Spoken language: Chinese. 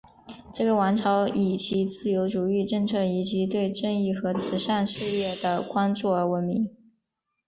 这个王朝以其自由主义政策以及对正义和慈善事业的关注而闻名。